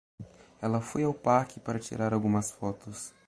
Ela foi ao parque para tirar algumas fotos.